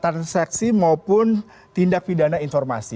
transaksi maupun tindak pidana informasi